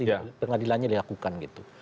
itu yang saya lakukan gitu